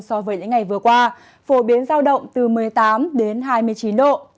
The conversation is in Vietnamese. so với những ngày vừa qua phổ biến giao động từ một mươi tám đến hai mươi chín độ